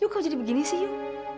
kok jadi begini sih yuk